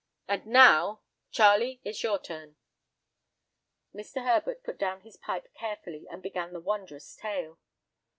And now, Charlie! it's your turn." Mr. Herbert put down his pipe carefully and began the wondrous tale.